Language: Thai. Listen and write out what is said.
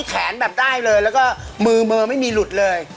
แบบได้เลยแล้วก็มือมือไม่มีหลุดเลย